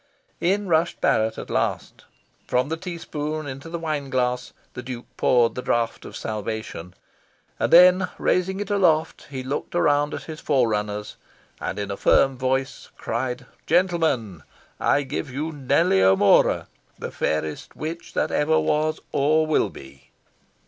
In rushed Barrett at last. From the tea spoon into the wine glass the Duke poured the draught of salvation, and then, raising it aloft, he looked around at his fore runners and in a firm voice cried "Gentlemen, I give you Nellie O'Mora, the fairest witch that ever was or will be."